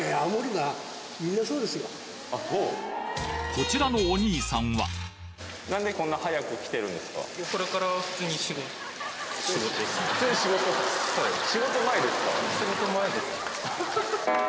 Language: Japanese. こちらのお兄さんは普通に仕事仕事前ですか？